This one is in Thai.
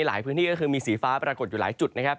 พื้นที่ก็คือมีสีฟ้าปรากฏอยู่หลายจุดนะครับ